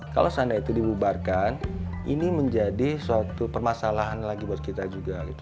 kalau seandainya itu dibubarkan ini menjadi suatu permasalahan lagi buat kita juga